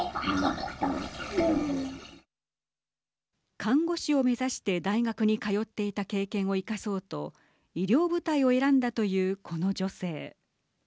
看護師を目指して大学に通っていた経験を生かそうと医療部隊を選んだというこの女性。